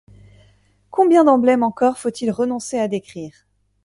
Combien d’emblèmes encore faut-il renoncer à décrire !